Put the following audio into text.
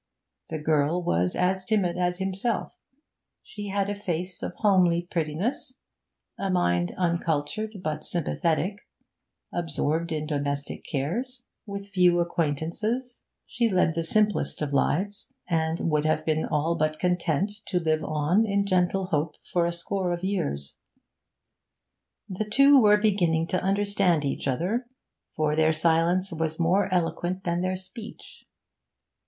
The girl was as timid as himself; she had a face of homely prettiness, a mind uncultured but sympathetic; absorbed in domestic cares, with few acquaintances, she led the simplest of lives, and would have been all but content to live on in gentle hope for a score of years. The two were beginning to understand each other, for their silence was more eloquent than their speech.